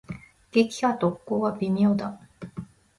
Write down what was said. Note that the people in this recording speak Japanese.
撃破特攻は微妙だ。